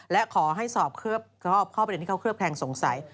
และขอให้สอบเคลือบข้อประเด็นที่เขาเคลือบแคลงสงสัย